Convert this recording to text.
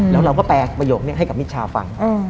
แล้วเราก็แปลประโยคนี้ให้กับมิชาฟัง